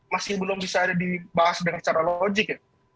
masih belum bisa dibahas dengan secara logik